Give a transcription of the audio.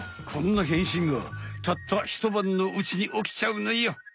こんな変身がたったひとばんのうちにおきちゃうのよ！